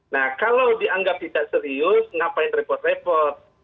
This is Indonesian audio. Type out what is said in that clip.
nah kalau dianggap tidak serius ngapain repot repot